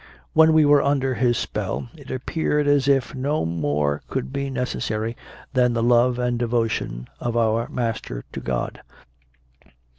When we were under his spell it appeared as if no CONFESSIONS OF A CONVERT 31 more could be necessary than the love and devotion of our master to God.